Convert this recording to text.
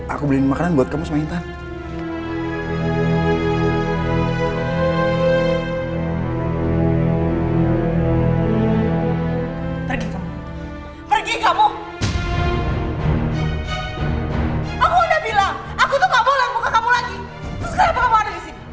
aku beliin makanan buat kamu semangitan